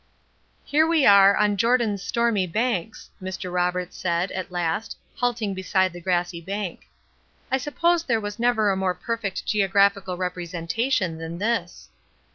"Here we are, on 'Jordan's stormy banks,'" Mr. Roberts said, at last, halting beside the grassy bank. "I suppose there was never a more perfect geographical representation than this."